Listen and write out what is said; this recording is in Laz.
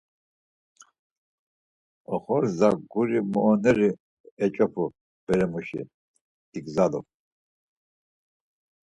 Oxorza guri mooneri eç̌opu beremuşi, igzalu.